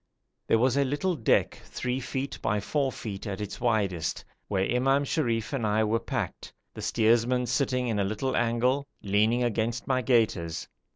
There was a little deck 3 feet by 4 feet at its widest, where Imam Sharif and I were packed, the steersman sitting in a little angle, leaning against my gaiters.